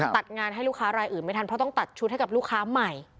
จัดงานให้ลูกค้ารายอื่นไม่ทันเพราะต้องตัดชุดให้กับลูกค้าใหม่